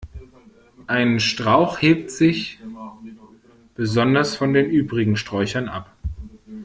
Ein Strauch hebt sich besonders von den übrigen Sträuchern ab.